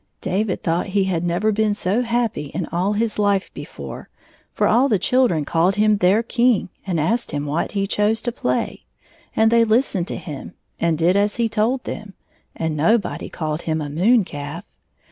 David thought he had never been so happy in 80 all his life before, for all the children called him their king and asked him what he chose to play ; and they listened to him, and did as he told them, and nobody called him a moon calf.